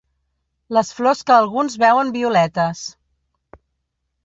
Les flors que alguns veuen violetes.